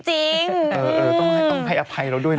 จริงต้องให้อภัยเราด้วยนะ